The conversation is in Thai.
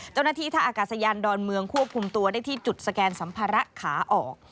ท่าอากาศยานดอนเมืองควบคุมตัวได้ที่จุดสแกนสัมภาระขาออก